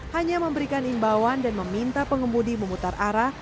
hanya memberikan imbauan dan meminta pengemudi memutar arah